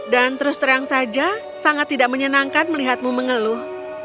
dan terus terang saja sangat tidak menyenangkan melihatmu mengeluh